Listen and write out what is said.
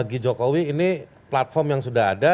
dan dia juga berkata bahwa ini adalah platform yang sudah ada